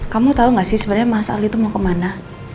kamu tahu nggak sih sebenarnya mas aldi itu mau kemana